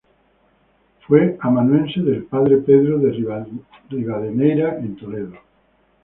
Fue amanuense del padre Pedro de Rivadeneira en Toledo.